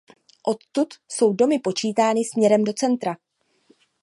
Odtud jsou domy počítány směrem do centra.